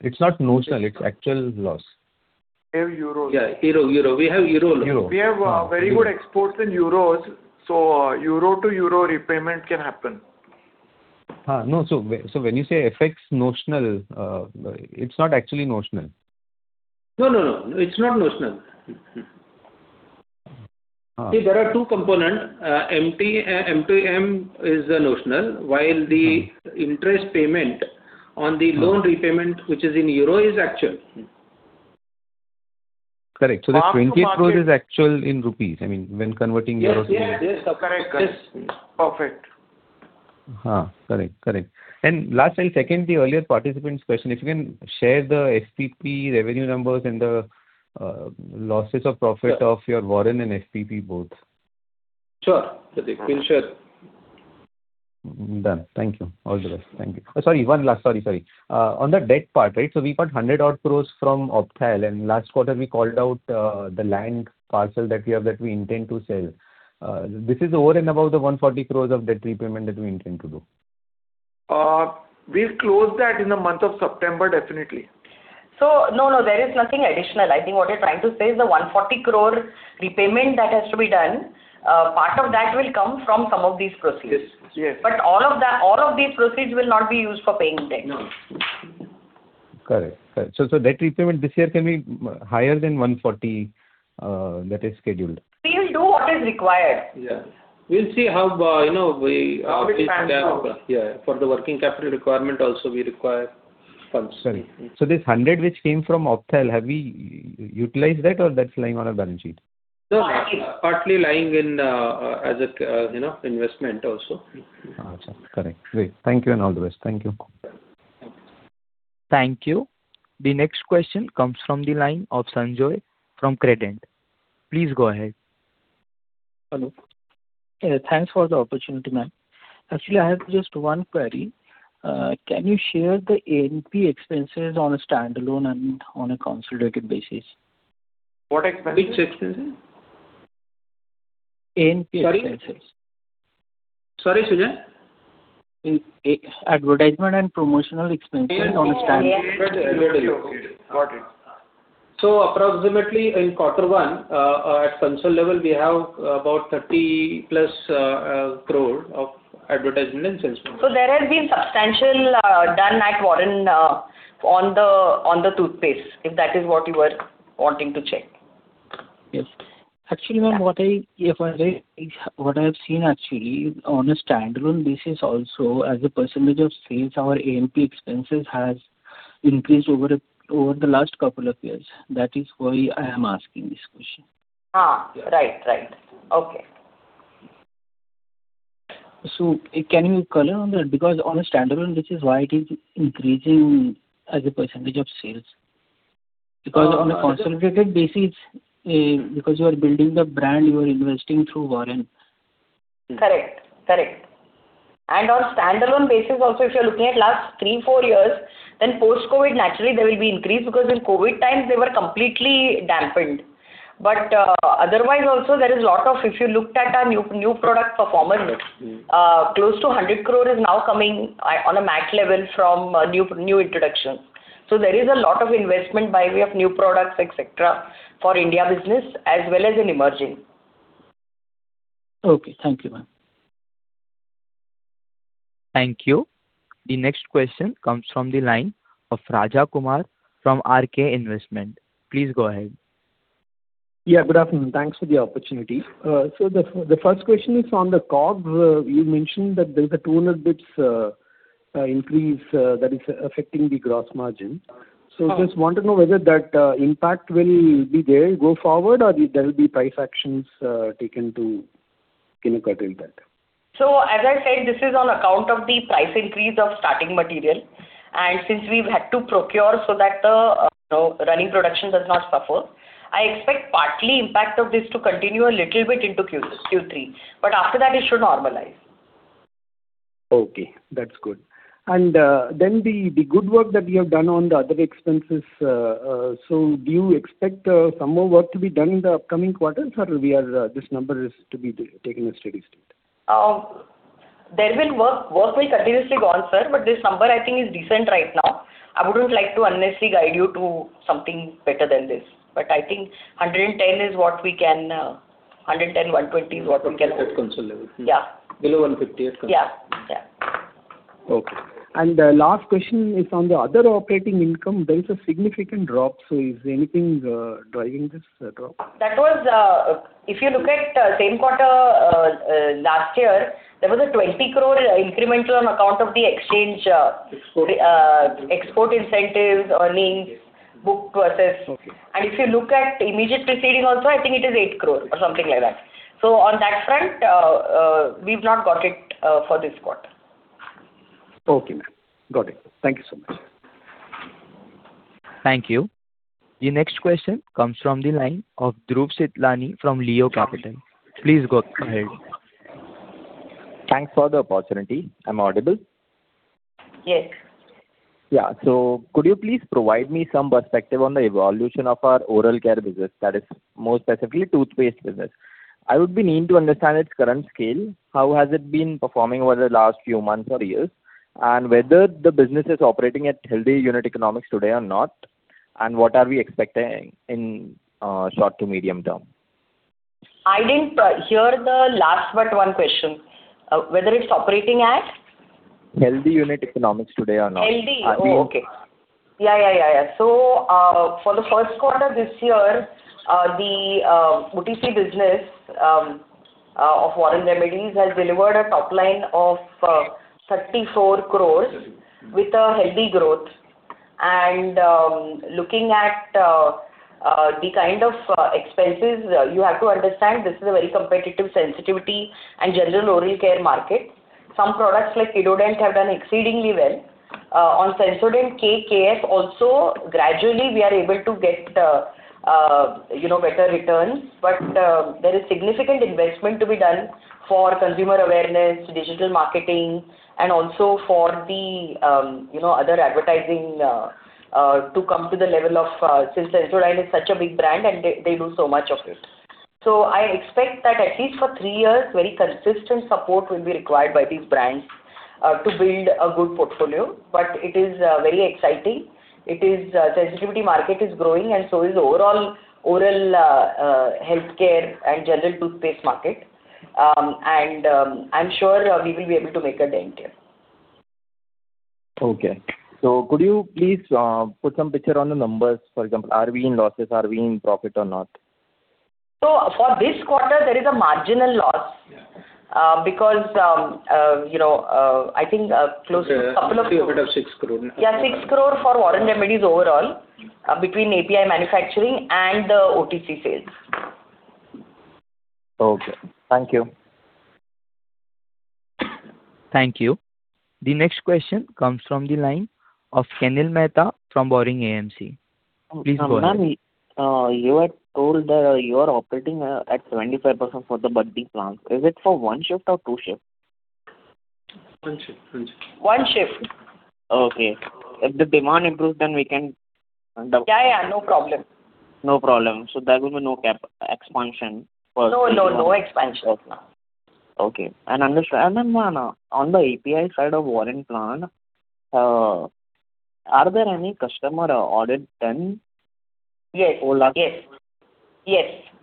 [SPEAKER 10] It's not notional, it's actual loss.
[SPEAKER 3] We have euro. Yeah, euro. We have euro loan. We have very good exports in euro to euro repayment can happen.
[SPEAKER 10] No. When you say FX notional, it's not actually notional?
[SPEAKER 5] No, it's not notional.
[SPEAKER 10] Okay.
[SPEAKER 5] There are two components. MTM is notional, while the interest payment on the loan repayment, which is in euro is actual.
[SPEAKER 10] Correct. This 20 crores is actual in rupees, I mean, when converting euro to rupees.
[SPEAKER 3] Yes. Correct. Perfect.
[SPEAKER 10] Correct. Last, I'll second the earlier participant's question. If you can share the FPP revenue numbers and the losses of profit of your Warren and FPP both?
[SPEAKER 3] Sure. We'll share.
[SPEAKER 10] Done. Thank you. All the best. Thank you. Sorry, one last. On the debt part, right? We've got 100-odd crores from Ophthalmic and last quarter we called out the land parcel that we have that we intend to sell. This is over and above the 140 crores of debt repayment that we intend to do?
[SPEAKER 3] We'll close that in the month of September, definitely.
[SPEAKER 4] No, there is nothing additional. I think what you're trying to say is the 140 crore repayment that has to be done, part of that will come from some of these proceeds. All of these proceeds will not be used for paying debt.
[SPEAKER 10] Correct. Debt repayment this year can be higher than 140 that is scheduled?
[SPEAKER 4] We will do what is required.
[SPEAKER 3] Yes.
[SPEAKER 4] How it pans out.
[SPEAKER 3] Yeah. For the working capital requirement also we require funds.
[SPEAKER 10] Sorry. This 100 which came from Ophthalmic, have we utilized that or that's lying on our balance sheet?
[SPEAKER 3] No, partly lying in as an investment also.
[SPEAKER 10] Okay. Correct. Great. Thank you, and all the best. Thank you.
[SPEAKER 1] Thank you. The next question comes from the line of [Sanjoy] from Credent. Please go ahead.
[SPEAKER 11] Hello. Thanks for the opportunity, ma'am. Actually, I have just one query. Can you share the A&P expenses on a standalone and on a consolidated basis?
[SPEAKER 3] What expenses?
[SPEAKER 11] A&P expenses.
[SPEAKER 3] Sorry, [Sanjoy]?
[SPEAKER 11] Advertisement & Promotional expenses on a standalone.
[SPEAKER 3] A&P. Got it. Approximately in quarter one, at consolidated level, we have about 30+ crore of advertisement and sales promotion.
[SPEAKER 4] There has been substantial done at Warren on the toothpaste, if that is what you were wanting to check.
[SPEAKER 11] Yes. Actually, ma'am, what I have seen actually on a standalone basis also as a percentage of sales, our A&P expenses has increased over the last couple of years. That is why I am asking this question.
[SPEAKER 4] Right. Okay.
[SPEAKER 11] Can you color on that? Because on a standalone basis, which is why it is increasing as a percentage of sales. Because on a consolidated basis, because you are building the brand, you are investing through Warren?
[SPEAKER 4] On standalone basis also, if you're looking at last three, four years, then post-COVID, naturally there will be increase because in COVID times they were completely dampened. But otherwise also there is lot of if you looked at our new product performance, close to 100 crore is now coming on a MAT level from new introduction. There is a lot of investment by way of new products, et cetera, for India business as well as in emerging.
[SPEAKER 11] Okay. Thank you, ma'am.
[SPEAKER 1] Thank you. The next question comes from the line of Raja Kumar from RK Investment. Please go ahead.
[SPEAKER 12] Yeah, good afternoon. Thanks for the opportunity. The first question is on the COG. You mentioned that there's a 200 basis points increase that is affecting the gross margin. Just want to know whether that impact will be there go forward or there will be price actions taken to curtail that?
[SPEAKER 4] As I said, this is on account of the price increase of starting material. Since we've had to procure so that the running production does not suffer, I expect partly impact of this to continue a little bit into Q3, but after that it should normalize.
[SPEAKER 12] Okay, that's good. The good work that we have done on the other expenses. Do you expect some more work to be done in the upcoming quarters or this number is to be taken a steady state?
[SPEAKER 4] There will be work. Work will continuously go on, sir, this number I think is decent right now. I wouldn't like to unnecessarily guide you to something better than this.
[SPEAKER 12] Below 150 at consol.
[SPEAKER 4] Yeah.
[SPEAKER 12] Okay. Last question is on the other operating income, there's a significant drop. Is anything driving this drop?
[SPEAKER 4] That was, if you look at same quarter last year, there was a 20 crore incremental on account of the exchange. Export incentives earnings book versus If you look at immediate preceding also, I think it is 8 crore or something like that. On that front, we've not got it for this quarter.
[SPEAKER 12] Okay, ma'am. Got it. Thank you so much.
[SPEAKER 1] Thank you. The next question comes from the line of [Dhruv Sitlani] from Leo Capital. Please go ahead.
[SPEAKER 13] Thanks for the opportunity. Am I audible?
[SPEAKER 4] Yes.
[SPEAKER 13] Yeah. Could you please provide me some perspective on the evolution of our oral care business, that is more specifically toothpaste business. I would be needing to understand its current scale, how has it been performing over the last few months or years, and whether the business is operating at healthy unit economics today or not, and what are we expecting in short to medium term?
[SPEAKER 4] I didn't hear the last but one question. Whether it is operating as?
[SPEAKER 13] Healthy unit economics today or not?
[SPEAKER 4] Healthy. Okay. For the first quarter this year, the OTC business of Warren Remedies has delivered a top line of 34 crores with a healthy growth. Looking at the kind of expenses, you have to understand this is a very competitive sensitivity and general oral care market. Some products like Kidodent have done exceedingly well. On Sensodyne KAF also, gradually we are able to get better returns. There is significant investment to be done for consumer awareness, digital marketing, and also for the other advertising to come to the level of Since Sensodyne is such a big brand and they do so much of it. I expect that at least for three years, very consistent support will be required by these brands to build a good portfolio. It is very exciting. The sensitivity market is growing, and so is overall oral health care and general toothpaste market. I'm sure we will be able to make a dent here.
[SPEAKER 13] Okay. Could you please put some picture on the numbers, for example, are we in losses? Are we in profit or not?
[SPEAKER 4] For this quarter, there is a marginal loss.
[SPEAKER 3] It's a little bit of 6 crore.
[SPEAKER 4] Yeah, 6 crore for Warren Remedies overall, between API manufacturing and the OTC sales.
[SPEAKER 13] Okay. Thank you.
[SPEAKER 1] Thank you. The next question comes from the line of Kenil Mehta from Boring AMC. Please go ahead.
[SPEAKER 8] Ma'am, you had told that you are operating at 25% for the Baddi plant. Is it for one shift or two shifts?
[SPEAKER 3] One shift.
[SPEAKER 4] One shift.
[SPEAKER 8] Okay. If the demand improves, we can double?
[SPEAKER 4] Yeah. No problem.
[SPEAKER 8] No problem. There will be no cap expansion.
[SPEAKER 4] No expansion.
[SPEAKER 8] Okay. Understand, ma'am, on the API side of Warren plant, are there any customer audit done?
[SPEAKER 4] Yes.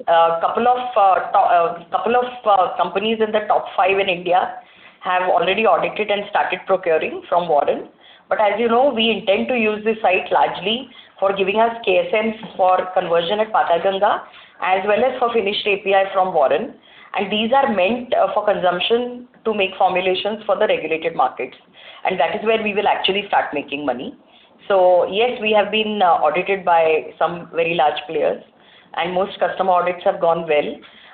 [SPEAKER 4] A couple of companies in the top five in India have already audited and started procuring from Warren. As you know, we intend to use this site largely for giving us KSMs for conversion at Patalganga, as well as for finished API from Warren. These are meant for consumption to make formulations for the regulated markets, and that is where we will actually start making money. Yes, we have been audited by some very large players, and most customer audits have gone well.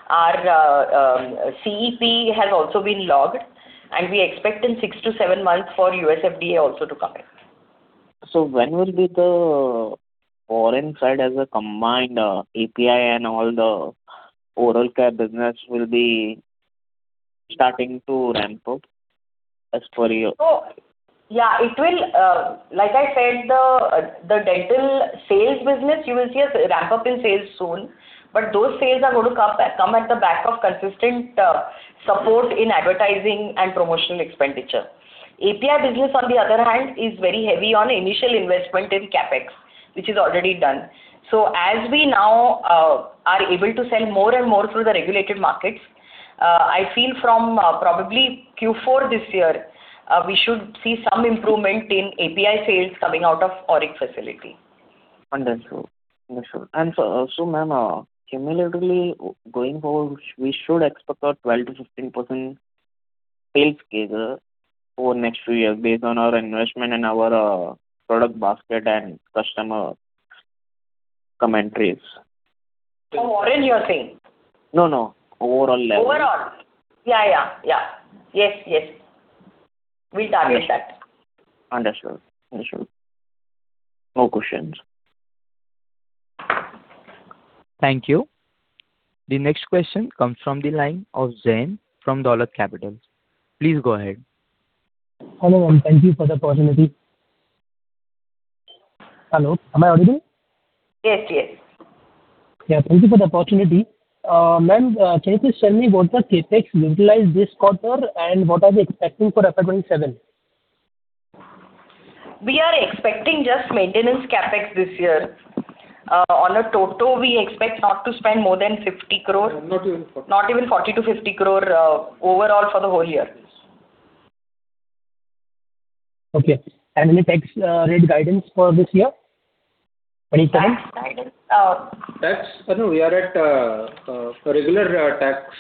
[SPEAKER 4] Our CEP has also been logged, and we expect in six to seven months for U.S. FDA also to come in.
[SPEAKER 8] When will the Warren site as a combined API and all the oral care business will be starting to ramp up as per you?
[SPEAKER 4] Yeah. Like I said, the dental sales business, you will see a ramp-up in sales soon, but those sales are going to come at the back of consistent support in advertising and promotional expenditure. API business, on the other hand, is very heavy on initial investment in CapEx, which is already done. As we now are able to sell more and more through the regulated markets, I feel from probably Q4 this year, we should see some improvement in API sales coming out of AURIC facility.
[SPEAKER 8] Understood. Ma'am, cumulatively going forward, we should expect a 12%-15% sales scale over the next few years based on our investment and our product basket and customer commentaries?
[SPEAKER 4] For Warren, you're saying?
[SPEAKER 8] No. Overall level.
[SPEAKER 4] Overall. Yeah. Yes. We'll target that.
[SPEAKER 8] Understood. No questions.
[SPEAKER 1] Thank you. The next question comes from the line of [Zain] from Dolat Capital. Please go ahead.
[SPEAKER 14] Hello, ma'am. Thank you for the opportunity. Hello, am I audible?
[SPEAKER 4] Yes.
[SPEAKER 14] Yeah. Thank you for the opportunity. Ma'am, can you please tell me what the CapEx utilized this quarter and what are we expecting for FY 2027?
[SPEAKER 4] We are expecting just maintenance CapEx this year. On a total, we expect not to spend more than 50 crore. Not even 40 crore-50 crore overall for the whole year.
[SPEAKER 14] Okay. Any tax rate guidance for this year? Any plans?
[SPEAKER 4] Tax guidance?
[SPEAKER 3] Tax, we are at a regular tax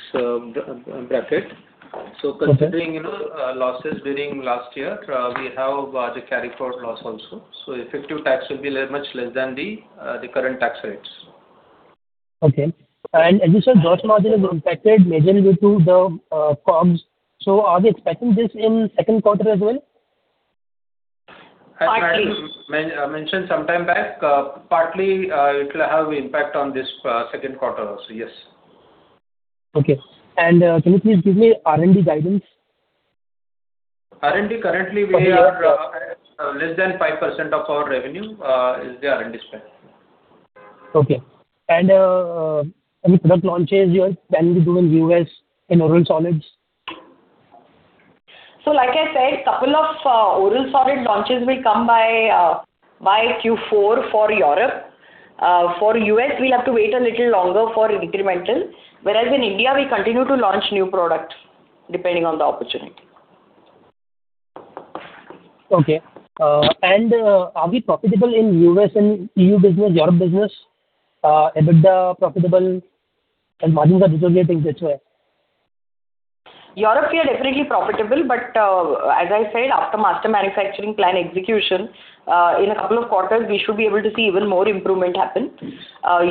[SPEAKER 3] bracket. Considering losses during last year, we have the carry forward loss also. Effective tax will be much less than the current tax rates.
[SPEAKER 14] Okay. You said gross margin is impacted majorly due to the COGS. Are they expecting this in second quarter as well?
[SPEAKER 4] Partly.
[SPEAKER 3] As mentioned sometime back, partly it will have impact on this second quarter also, yes.
[SPEAKER 14] Okay. Can you please give me R&D guidance?
[SPEAKER 3] R&D, currently we are less than 5% of our revenue is the R&D spend.
[SPEAKER 14] Okay. Any product launches you are planning to do in U.S. in oral solids?
[SPEAKER 4] Like I said, couple of oral solid launches will come by Q4 for Europe. For U.S., we'll have to wait a little longer for incremental. Whereas in India, we continue to launch new products depending on the opportunity.
[SPEAKER 14] Okay. Are we profitable in U.S. and EU business, Europe business? EBITDA profitable and margins are deteriorating which way?
[SPEAKER 4] Europe, we are definitely profitable, but as I said, after master manufacturing plan execution, in a couple of quarters, we should be able to see even more improvement happen.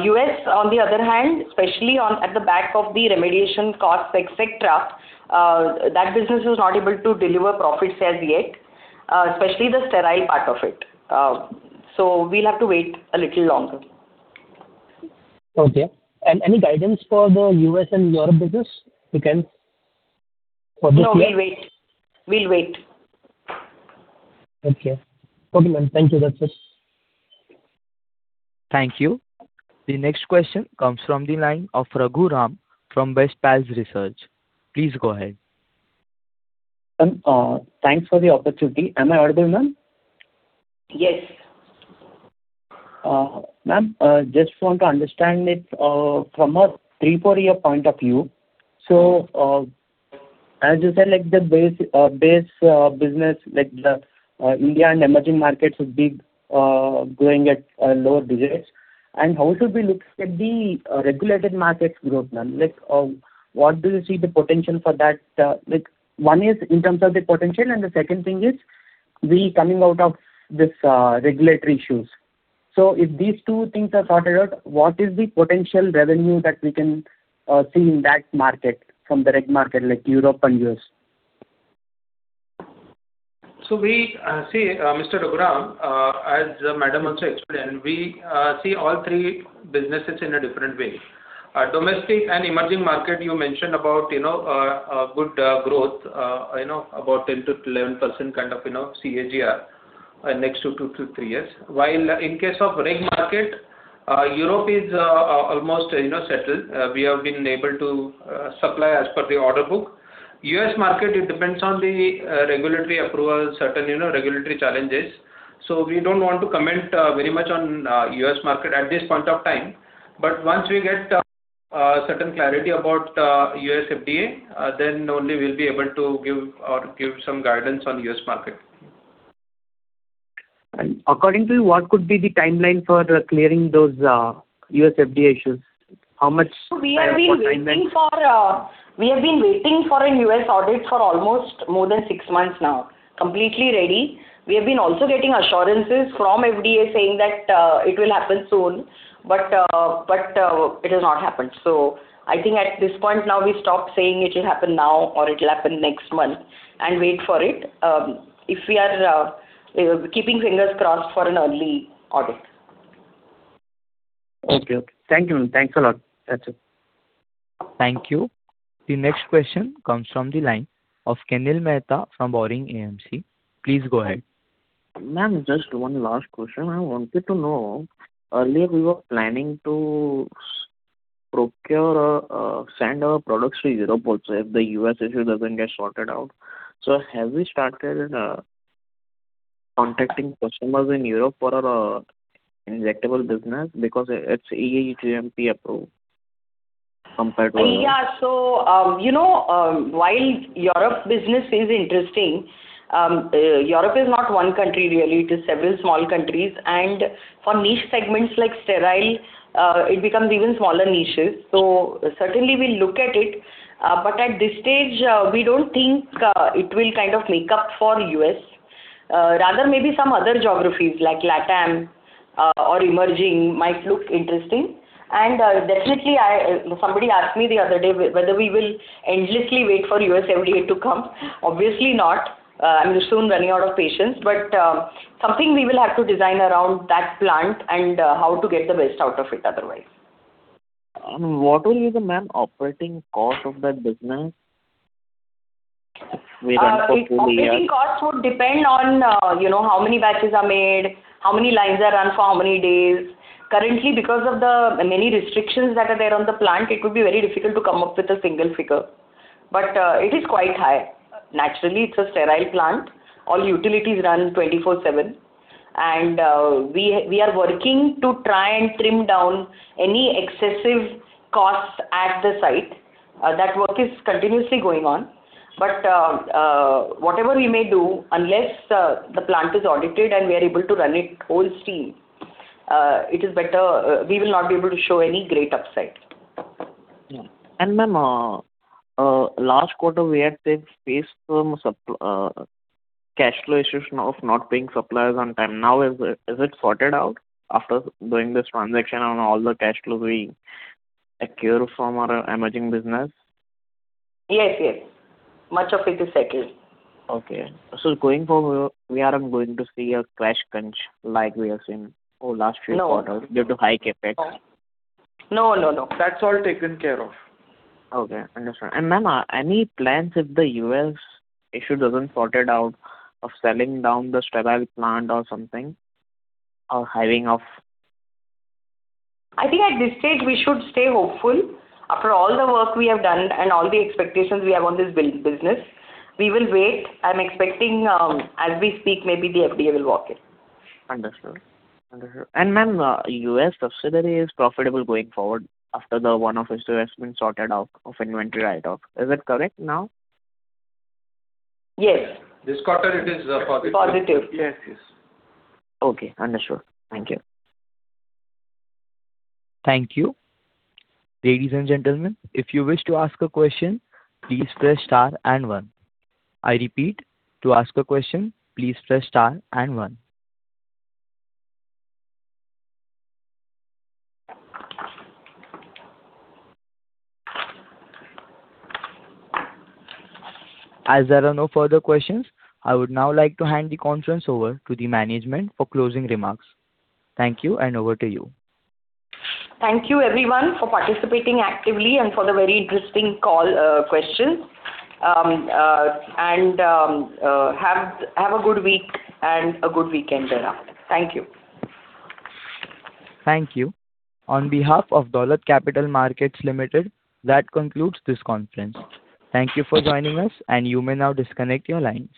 [SPEAKER 4] U.S., on the other hand, especially at the back of the remediation costs, et cetera, that business was not able to deliver profits as yet, especially the sterile part of it. We'll have to wait a little longer.
[SPEAKER 14] Okay. Any guidance for the U.S. and Europe business you can publish?
[SPEAKER 4] No, we'll wait. We'll wait.
[SPEAKER 14] Okay, ma'am. Thank you. That's it.
[SPEAKER 1] Thank you. The next question comes from the line of Raghu Ram from BestPals Research. Please go ahead.
[SPEAKER 15] Ma'am, thanks for the opportunity. Am I audible, ma'am?
[SPEAKER 4] Yes.
[SPEAKER 15] Ma'am, just want to understand it from a three or four-year point of view. As you said, like the base business, like the India and emerging markets would be growing at lower digits. How should we look at the regulated markets growth, ma'am? What do you see the potential for that? One is in terms of the potential, and the second thing is we coming out of these regulatory issues. If these two things are sorted out, what is the potential revenue that we can see in that market from the reg market, like Europe and U.S.?
[SPEAKER 3] We see, Mr. Raghu Ram, as Madam also explained, we see all three businesses in a different way. Domestic and emerging market, you mentioned about good growth, about 10%-11% kind of CAGR in next two to three years. While in case of reg market, Europe is almost settled. We have been able to supply as per the order book. U.S. market, it depends on the regulatory approval, certain regulatory challenges. We don't want to comment very much on U.S. market at this point of time. But once we get certain clarity about U.S. FDA, only we'll be able to give some guidance on U.S. market.
[SPEAKER 15] According to you, what could be the timeline for clearing those, U.S. FDA issues? How much-
[SPEAKER 4] We have been waiting for a U.S. audit for almost more than six months now. Completely ready. We have been also getting assurances from FDA saying that it will happen soon, but it has not happened. I think at this point now, we stop saying it'll happen now or it'll happen next month and wait for it. If we are keeping fingers crossed for an early audit.
[SPEAKER 15] Okay. Thank you. Thanks a lot. That's it.
[SPEAKER 1] Thank you. The next question comes from the line of Kenil Mehta from Boring AMC. Please go ahead.
[SPEAKER 8] Ma'am, just one last question. I wanted to know, earlier we were planning to procure, send our products to Europe also if the U.S. issue doesn't get sorted out. Have we started contacting customers in Europe for our injectable business? Because it's E.U. GMP approved compared to.
[SPEAKER 4] Yeah. While Europe business is interesting, Europe is not one country really, it is several small countries. For niche segments like sterile, it becomes even smaller niches. Certainly, we'll look at it. At this stage, we don't think it will kind of make up for U.S. Rather, maybe some other geographies like LATAM or emerging might look interesting. Definitely, somebody asked me the other day whether we will endlessly wait for U.S. FDA to come. Obviously not. I'm soon running out of patience. Something we will have to design around that plant and how to get the best out of it otherwise.
[SPEAKER 8] What will be the, ma'am, operating cost of that business? We run for two years.
[SPEAKER 4] Operating costs would depend on how many batches are made, how many lines are run for how many days. Currently, because of the many restrictions that are there on the plant, it would be very difficult to come up with a single figure. It is quite high. Naturally, it's a sterile plant. All utilities run 24/7. We are working to try and trim down any excessive costs at the site. That work is continuously going on. Whatever we may do, unless the plant is audited and we are able to run it whole steam, we will not be able to show any great upside.
[SPEAKER 8] Ma'am, last quarter, we had faced some cash flow issues of not paying suppliers on time. Now, is it sorted out after doing this transaction and all the cash flows we accrue from our emerging business?
[SPEAKER 4] Yes. Much of it is settled.
[SPEAKER 8] Okay. Going forward, we aren't going to see a cash crunch like we have seen over last few quarters. Due to high CapEx?
[SPEAKER 3] No. That's all taken care of.
[SPEAKER 8] Okay. Understood. ma'am, any plans if the U.S. issue doesn't sorted out of selling down the sterile plant or something.
[SPEAKER 4] I think at this stage, we should stay hopeful. After all the work we have done and all the expectations we have on this business, we will wait. I'm expecting, as we speak, maybe the FDA will walk in.
[SPEAKER 8] Understood. Ma'am, U.S. subsidiary is profitable going forward after the one-off issue has been sorted out of inventory write-off. Is it correct now?
[SPEAKER 3] Yes. This quarter it is positive.
[SPEAKER 4] Positive. Yes.
[SPEAKER 8] Okay. Understood. Thank you.
[SPEAKER 1] Thank you. Ladies and gentlemen, if you wish to ask a question, please press star and one. I repeat, to ask a question, please press star and one. As there are no further questions, I would now like to hand the conference over to the management for closing remarks. Thank you, and over to you.
[SPEAKER 4] Thank you everyone for participating actively and for the very interesting call questions. Have a good week and a good weekend thereafter. Thank you.
[SPEAKER 1] Thank you. On behalf of Dolat Capital Markets Ltd. That concludes this conference. Thank you for joining us, and you may now disconnect your line.